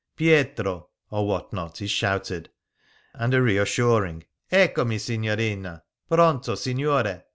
" Pietro !" or what not — is shouted ; and a reassuring " Eccomi, Signorina !" "Pronto, Signore